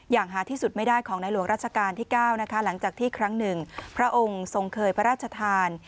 อย่างหาที่สุดไม่ได้ของในหลวงราชการที่๙นะคะหลังจากที่ครั้งหนึ่งพระองค์ทรงเคยพระราชทาน